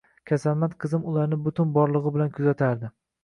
Kasalmand qizim ularni butun borlig`i bilan kuzatardi